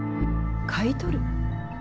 買い取る？